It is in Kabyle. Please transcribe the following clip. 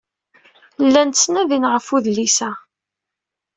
Llan ttnadin ɣef udlis-a.